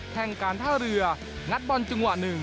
แห่งการท่าเรืองัดบอลจังหวะ๑